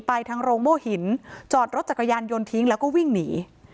ทางโรงโม่หินจอดรถจักรยานยนต์ทิ้งแล้วก็วิ่งหนี